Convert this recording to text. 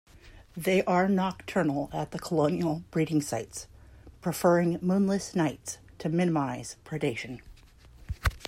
They are nocturnal at the colonial breeding sites, preferring moonless nights to minimise predation.